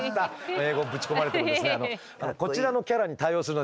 英語ぶち込まれてもですね